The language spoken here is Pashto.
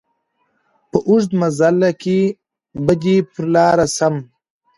په اوږد مزله کي به دي پر لار سم